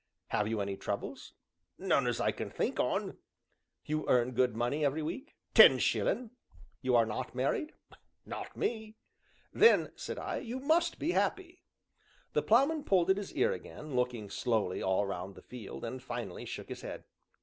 "Have you any troubles?" "None as I can think on." "You earn good money every week?" "Ten shillin'." "You are not married?" "Not me." "Then," said I, "you must be happy." The Ploughman pulled at his ear again, looked slowly all round the field, and, finally, shook his head.